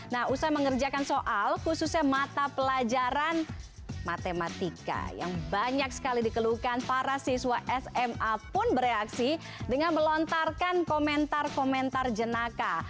nah usai mengerjakan soal khususnya mata pelajaran matematika yang banyak sekali dikeluhkan para siswa sma pun bereaksi dengan melontarkan komentar komentar jenaka